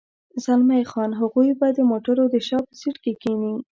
زلمی خان: هغوی به د موټر د شا په سېټ کې کېني.